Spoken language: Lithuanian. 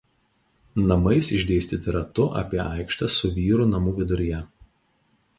Namais išdėstyti ratu apie aikštę su vyrų namu viduryje.